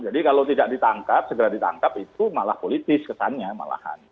jadi kalau tidak ditangkap segera ditangkap itu malah politis kesannya malahan